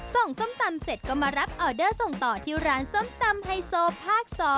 ส้มตำเสร็จก็มารับออเดอร์ส่งต่อที่ร้านส้มตำไฮโซภาค๒